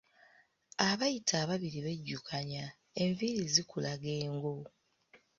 Abayita ababiri bejjukanya, enviiri zikulaga engo.